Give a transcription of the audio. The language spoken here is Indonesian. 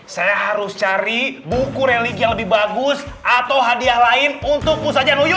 saya harus cari buku religi yang lebih bagus atau hadiah lain untuk usaha januyuy